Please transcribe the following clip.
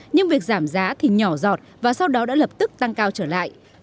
nhưng việc giảm giá thì nhỏ giọt và sau đó đã lập tức tăng cao trở lại